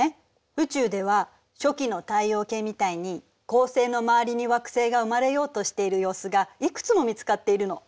宇宙では初期の太陽系みたいに恒星の周りに惑星が生まれようとしている様子がいくつも見つかっているの。